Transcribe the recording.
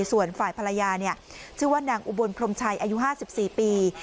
ส่วนฝ่ายภรรยาเนี่ยชื่อว่านางอุบลพรมชัยอายุห้าสิบสี่ปี